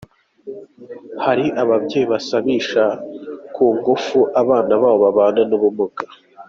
Hari ababyeyi basabisha ku ngufu abana babo babana n’ubumuga